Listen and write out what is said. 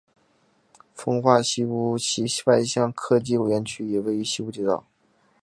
奉化西坞外向科技园区也位于西坞街道。